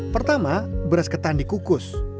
pertama beras ketan dikukus